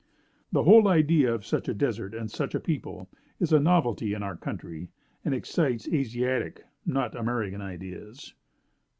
"The whole idea of such a desert and such a people, is a novelty in our country, and excites Asiatic, not American ideas.